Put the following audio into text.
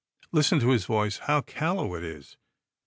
Listen to his voice, how callow it is.